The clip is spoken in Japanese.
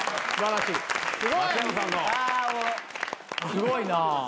すごいな。